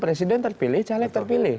presiden terpilih caleg terpilih